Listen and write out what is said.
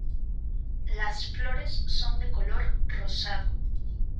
Las flores son de color rosado.